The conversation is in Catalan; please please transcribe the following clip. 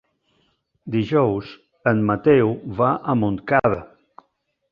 Dijous en Mateu va a Montcada.